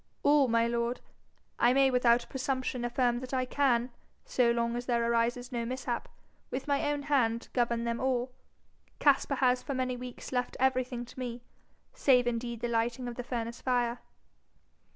'All, my lord. I may without presumption affirm that I can, so long as there arises no mishap, with my own hand govern them all. Caspar has for many weeks left everything to me, save indeed the lighting of the furnace fire.'